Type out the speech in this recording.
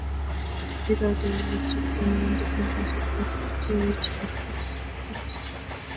Without the relative pronoun, the sentence would lose its clarity and specificity.